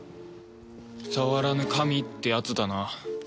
触らぬ神ってやつだな